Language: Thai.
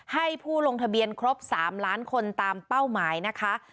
ให้ผู้ลงทะเบียนครบ๓ล้านคนตามเป้าหมายนะคะ